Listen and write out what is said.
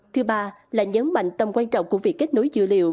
thứ ba là nhấn mạnh tầm quan trọng của việc kết nối dữ liệu